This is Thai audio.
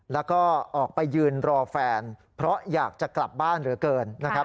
แล้วก็ออกไปยืนรอแฟนเพราะอยากจะกลับบ้านเหลือเกินนะครับ